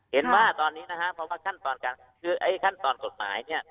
เห็นว่าตอนนี้นะครับเพราะว่าขั้นตอนการคือไอ้ขั้นตอนกฎหมายเนี่ย